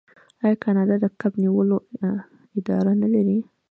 آیا کاناډا د کب نیولو اداره نلري؟